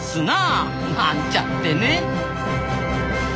なんちゃってね。